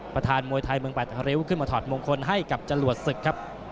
ประธานมวยไทยเมือง๘ฮริ้วขึ้นมาถอดมงคลให้กับจรวดศึกครับ